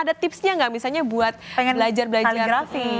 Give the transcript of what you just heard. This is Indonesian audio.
ada tipsnya gak misalnya buat belajar belajar